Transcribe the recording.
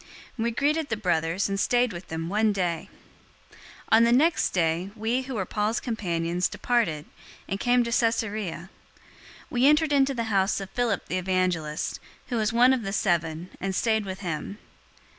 We greeted the brothers, and stayed with them one day. 021:008 On the next day, we, who were Paul's companions, departed, and came to Caesarea. We entered into the house of Philip the evangelist, who was one of the seven, and stayed with him.